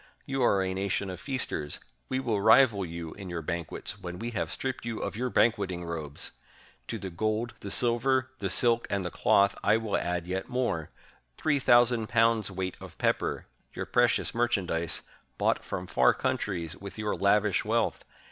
You are a nation of f casters: we will rival you in your banquets when we have stripped you of your banquet ing robes! To the gold, the silver, the silk, and the cloth I will add yet more — three thousand pounds' weight of pepper, your precious merchandise, bought from far countries with your lavish wealth